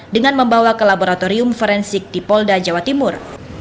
dengan membawa ke laboratorium forensik di polda jawa timur